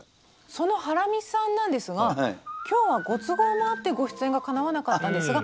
そのハラミさんなんですが今日はご都合もあってご出演がかなわなかったんですが。